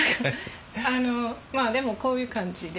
まあでもこういう感じで。